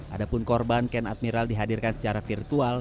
ada pun korban ken admiral dihadirkan secara virtual